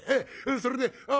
それでああ